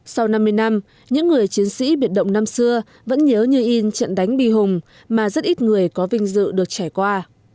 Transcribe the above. sau năm mươi năm những người chiến sĩ biệt động năm xưa vẫn nhớ như in trận đánh bi hùng mà rất ít người có vinh dự được trải qua